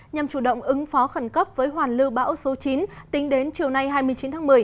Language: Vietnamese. nhằm chủ động ứng phó khẩn cấp với hoàn lưu bão số chín tính đến chiều nay hai mươi chín tháng một mươi